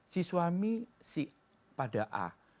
si suami pada a